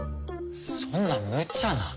そんなむちゃな。